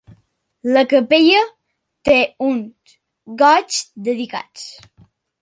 La capella té uns goigs dedicats.